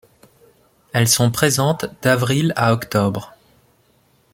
Elles sont présentes d'avril à octobre.